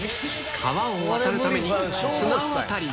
川を渡るために綱渡り。